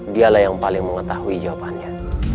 dialah yang paling mengetahui jawabannya